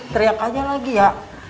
teriak aja lagi ya